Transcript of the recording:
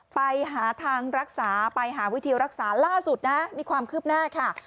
ไปหาทางรักษาไปหาวิธีรักษาล่าสุดนะมีความคืบหน้าค่ะ